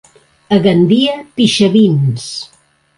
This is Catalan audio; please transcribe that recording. A Gandia, pixavins.